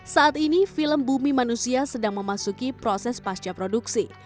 saat ini film bumi manusia sedang memasuki proses pasca produksi